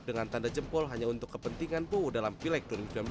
dengan tanda jempol hanya untuk kepentingan puu dalam pileg dua ribu sembilan belas